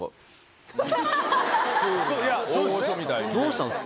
どうしたんですか？